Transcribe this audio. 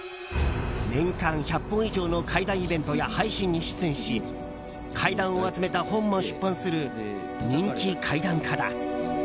年間１００本以上の怪談イベントや配信に出演し怪談を集めた本も出版する人気怪談家だ。